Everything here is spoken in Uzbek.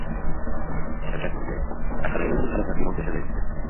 Shavkat Mirziyoyev: Qashqadaryo o‘zining salohiyatiga mos yashamayapti